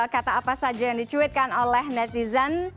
kata apa saja yang dicuitkan oleh netizen